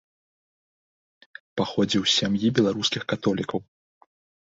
Паходзіў з сям'і беларускіх католікаў.